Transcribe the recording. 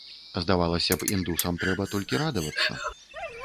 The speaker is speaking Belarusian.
Здавалася б, індусам трэба толькі радавацца.